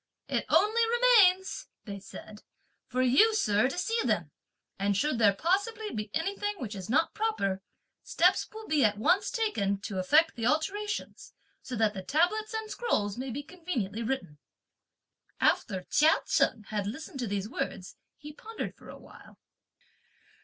"It only remains," (they said), "for you, sir, to see them; and should there possibly be anything which is not proper, steps will be at once taken to effect the alterations, so that the tablets and scrolls may conveniently be written." After Chia Cheng had listened to these words, he pondered for a while.